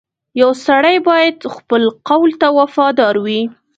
• یو سړی باید خپل قول ته وفادار وي.